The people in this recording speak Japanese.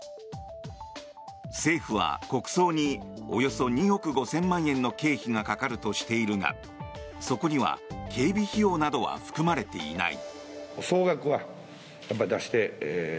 政府は国葬におよそ２億５０００万円の経費がかかるとしているがそこには警備費用などは含まれていない。